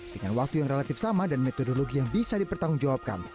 dengan waktu yang relatif sama dan metodologi yang bisa dipertanggungjawabkan